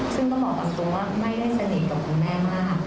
ซึ่งก็บอกต่างว่าไม่ได้สนิทกับคุณแม่มาก